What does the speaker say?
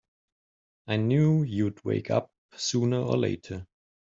I knew you'd wake up sooner or later!